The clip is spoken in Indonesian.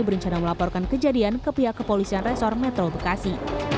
berencana melaporkan kejadian ke pihak kepolisian resor metro bekasi